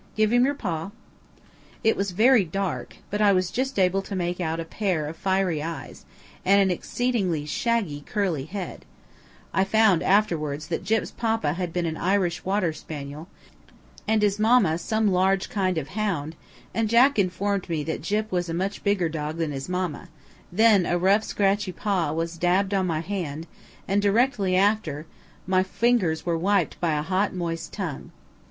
Give him your paw." It was very dark, but I was just able to make out a pair of fiery eyes, and an exceedingly shaggy curly head I found afterwards that Gyp's papa had been an Irish water spaniel, and his mamma some large kind of hound; and Jack informed me that Gyp was a much bigger dog than his mamma then a rough scratchy paw was dabbed on my hand, and directly after my fingers were wiped by a hot moist tongue.